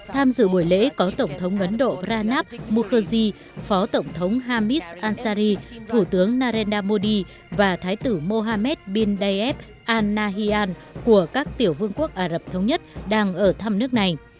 tham dự buổi lễ có tổng thống ấn độ pranab mukherjee phó tổng thống hamish ansari thủ tướng narendra modi và thái tử mohammed bin daif al nahyan của các tiểu vương quốc ả rập thống nhất đang ở thăm nước này